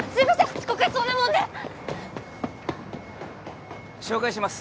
遅刻しそうなもんで紹介します